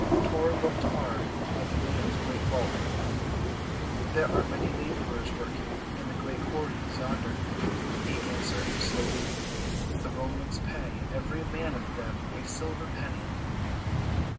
Tor looked hard at the man's great bulk. "There are many laborers working in the great quarries yonder," he answered slowly. "The Romans pay every man of them a silver penny."